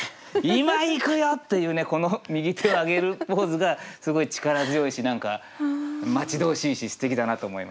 「今行くよ！」っていうねこの右手を上げるポーズがすごい力強いし何か待ち遠しいしすてきだなと思いました。